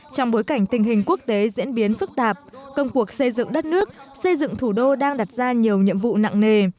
trong bối cảnh tình hình quốc tế diễn biến phức tạp công cuộc xây dựng đất nước xây dựng thủ đô đang đặt ra nhiều nhiệm vụ nặng nề